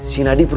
si nadi paham